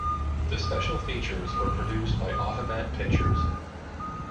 The special features were produced by Automat Pictures.